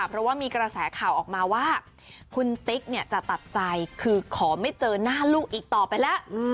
เพราะว่ามีกระแสข่าวออกมาว่าคุณติ๊กจะตัดใจคือขอไม่เจอหน้าลูกอีกต่อไปแล้ว